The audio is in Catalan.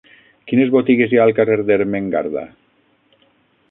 Quines botigues hi ha al carrer d'Ermengarda?